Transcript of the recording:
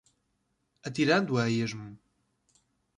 Atirando a esmo